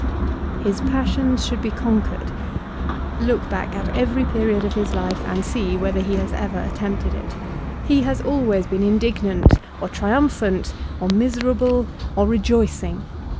His passions should be conquered. Look back at every period of his life, and see whether he has ever attempted it. He has always been indignant, or triumphant, or miserable, or rejoicing.